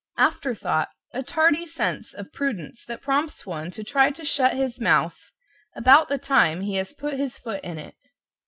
=AFTERTHOUGHT= A tardy sense of prudence that prompts one to try to shut his mouth about the time he has put his foot in it.